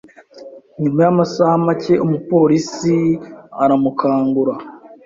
Nyuma yamasaha make umupolisi aramukangura